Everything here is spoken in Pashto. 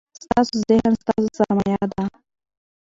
ستاسو ذهن ستاسو سرمایه ده.